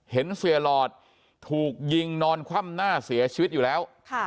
เห็นเสียหลอดถูกยิงนอนคว่ำหน้าเสียชีวิตอยู่แล้ว